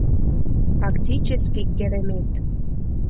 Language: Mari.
Фактически керемет!